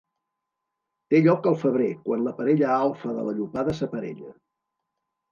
Té lloc al febrer quan la parella alfa de la llopada s'aparella.